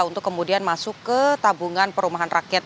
untuk kemudian masuk ke tabungan perumahan rakyat